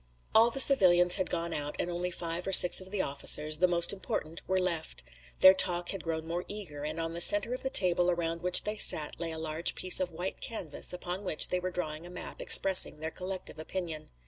All the civilians had gone out and only five or six of the officers, the most important, were left. Their talk had grown more eager, and on the center of the table around which they sat lay a large piece of white canvas upon which they were drawing a map expressing their collective opinion.